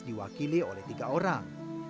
diwakili oleh tiga orang